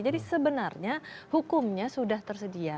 sebenarnya hukumnya sudah tersedia